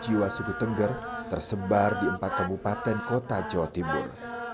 dua ratus jiwa suku tengger tersebar di empat kabupaten kota jawa timur